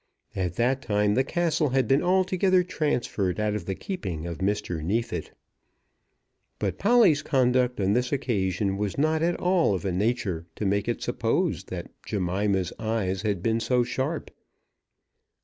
At that time the castle had been altogether transferred out of the keeping of Mr. Neefit. But Polly's conduct on this occasion was not at all of a nature to make it supposed that Jemima's eyes had been so sharp.